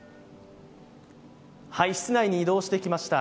室内に移動してきました。